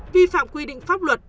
vi phạm quy định pháp luật